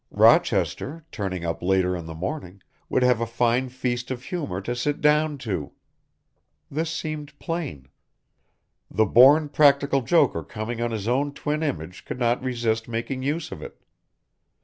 Rochester, turning up later in the morning, would have a fine feast of humour to sit down to. This seemed plain. The born practical joker coming on his own twin image could not resist making use of it.